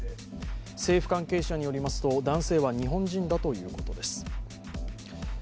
政府関係者によりますと、男性は日本人だということです。